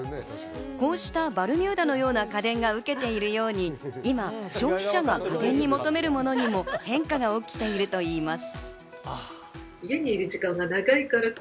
こうしたバルミューダのような家電が受けているように今、消費者が家庭に求めるものにも変化が起きているといいます。